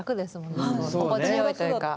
心地よいというか。